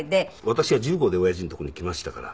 私は１５で親父のとこに来ましたから。